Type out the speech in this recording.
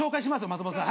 松本さん。